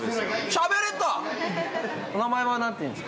しゃべれた！